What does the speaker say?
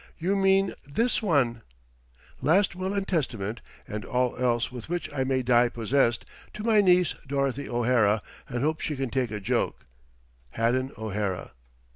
"You mean this one: Last will and testament and all else with which I may die possessed to my niece Dorothy O'Hara and hope she can take a joke Haddon O'Hara.